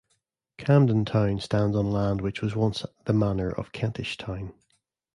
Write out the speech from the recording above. Camden Town stands on land which was once the manor of Kentish Town.